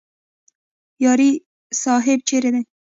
یاري صاحب چیرې دی؟